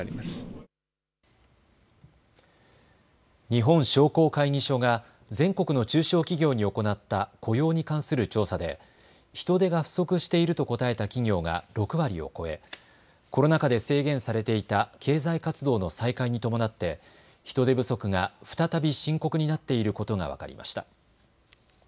日本商工会議所が全国の中小企業に行った雇用に関する調査で人手が不足していると答えた企業が６割を超えコロナ禍で制限されていた経済活動の再開に伴って人手不足が再び深刻になっていることが分かりました。